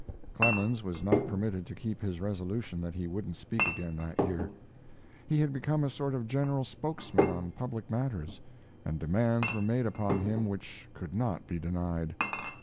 Clemens was not permitted to keep his resolution that he wouldn't speak again that year. He had become a sort of general spokesman on public matters, and demands were made upon him which could not be denied.